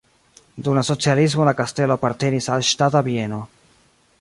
Dum la socialismo la kastelo apartenis al ŝtata bieno.